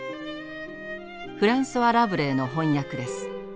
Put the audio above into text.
フランソワ・ラブレーの翻訳です。